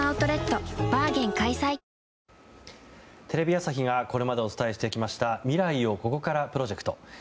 テレビ朝日がこれまでお伝えしてきました未来をここからプロジェクト。